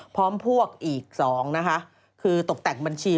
พร้อมพวกอีก๒นะคะคือตกแต่งบัญชี